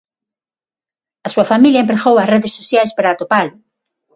A súa familia empregou as redes sociais para atopalo.